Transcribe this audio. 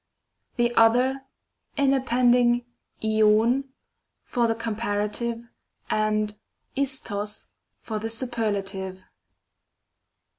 The other, in appending ioiv for the com parative, and l6to(; for the superlative.